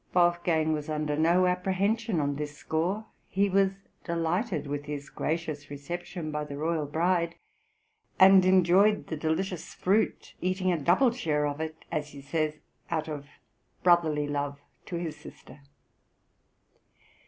Wolfgang was under no apprehension on this score; he was delighted with his gracious reception by the royal bride, and enjoyed the delicious fruit, eating a double share of it, as he says, out of brotherly love to his {MILAN, 1771 GABRIELLI.} (135) sister.